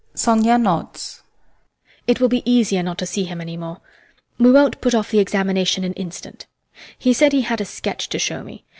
SONIA nods. HELENA. It will be easier not to see him any more. We won't put off the examination an instant. He said he had a sketch to show me.